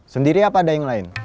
sendiri apa ada yang lain